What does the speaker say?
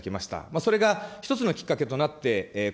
それが一つのきっかけとなってこ